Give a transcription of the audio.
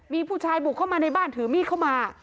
มีผู้ชายบุกเข้ามาในบ้านถือมีดเข้ามา